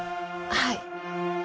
はい。